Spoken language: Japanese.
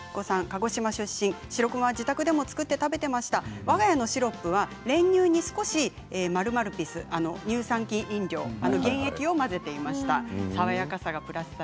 鹿児島出身、しろくま自宅でも作って食べていましたわが家のシロップは練乳に少し○○ピス、乳酸菌飲料です。